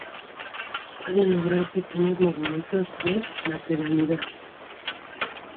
Puede lograr pequeños movimientos de lateralidad.